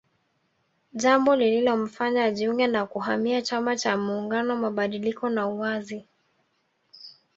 Jambo lililomfanya ajiunge na kuhamia chama cha muungano mabadiliko na uwazi